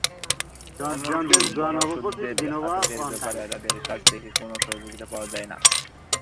এমনকি বনদস্যুদের আটকের ব্যাপারে তাঁদের কাছ থেকে কোনো সহযোগিতা পাওয়া যায় না।